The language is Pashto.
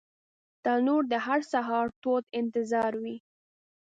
تنور د هر سهار تود انتظار وي